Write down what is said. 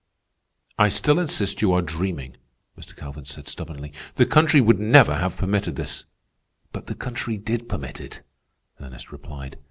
"I still insist you are dreaming," Mr. Calvin said stubbornly. "The country would never have permitted it." "But the country did permit it," Ernest replied.